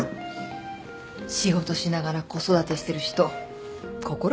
仕事しながら子育てしてる人心から尊敬しちゃう。